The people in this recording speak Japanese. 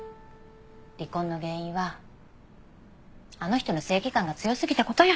離婚の原因はあの人の正義感が強すぎた事よ。